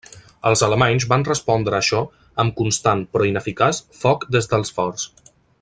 Els alemanys van respondre a això amb constant, però ineficaç, foc des dels forts.